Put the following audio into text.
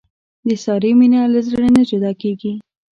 د سارې مینه له زړه نه جدا کېږي.